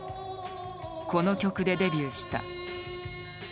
この曲でデビューした。